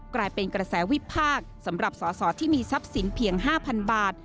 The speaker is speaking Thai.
กลายเป็นกระแสวิพากษ์สำหรับสอสอที่มีทรัพย์สินเพียง๕๐๐๐บาท